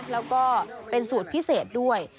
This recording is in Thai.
แล้วก็เป็นสูตรพิเศษด้วย